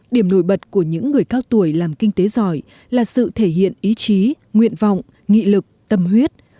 điểm nổi bật của những người cao tuổi làm kinh tế giỏi là sự thể hiện ý chí nguyện vọng nghị lực tâm huyết